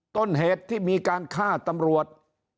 ต้นเหตุที่มีการฆ่าตำรวจ